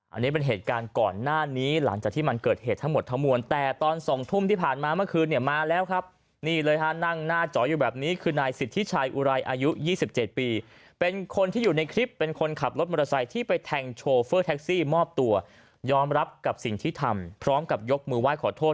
อันนี้เป็นเหตุการณ์ก่อนหน้านี้หลังจากที่มันเกิดเหตุทั้งหมดทั้งมวลแต่ตอน๒ทุ่มที่ผ่านมาเมื่อคืนเนี่ยมาแล้วครับนี่เลยฮะนั่งหน้าจออยู่แบบนี้คือนายสิทธิชัยอุไรอายุ๒๗ปีเป็นคนที่อยู่ในคลิปเป็นคนขับรถมอเตอร์ไซค์ที่ไปแทงโชเฟอร์แท็กซี่มอบตัวยอมรับกับสิ่งที่ทำพร้อมกับยกมือไห้ขอโทษ